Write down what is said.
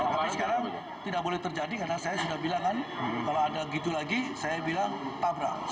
tapi sekarang tidak boleh terjadi karena saya sudah bilang kan kalau ada gitu lagi saya bilang tabrak